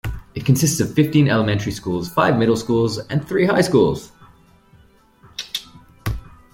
It consists of fifteen elementary schools, five middle schools, and three high schools.